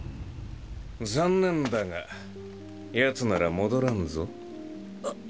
残念だがヤツなら戻らんぞ。